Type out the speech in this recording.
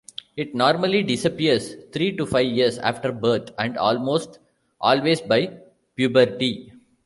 It normally disappears three to five years after birth and almost always by puberty.